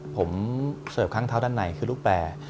ผมเสริมครั้งเท้าด้านในคือลูกแปล